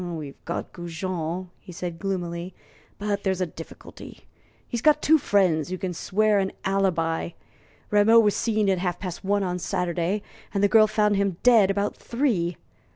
"We've got Goujon," he said, gloomily, "but there's a difficulty. He's got two friends who can swear an alibi. Rameau was seen alive at half past one on Saturday, and the girl found him dead about three.